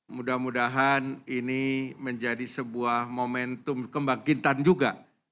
mudah mudahan ini menjadi sebuah momentum kembang gintan juga